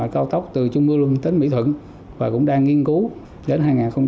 cao tốc từ trung mưu luân đến mỹ thuận và cũng đang nghiên cứu đến hai nghìn hai mươi